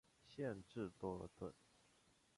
县治多尔顿。